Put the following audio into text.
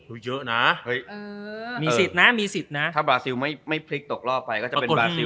อุ้ยเยอะนะมีสิทธิ์นะถ้าบราซิลไม่พลิกตกรอบไปก็จะเป็นบราซิลกับสวิทย์